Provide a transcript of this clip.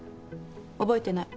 覚えてない。